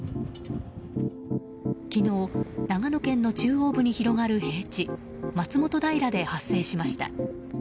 昨日長野県の中央部に広がる平地松本平で発生しました。